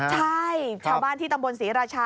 ใช่ชาวบ้านที่ตำบลศรีราชา